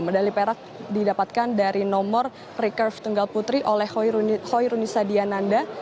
medali perak didapatkan dari nomor recurve tunggal putri oleh hoirunisa diananda